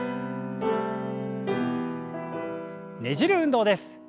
ねじる運動です。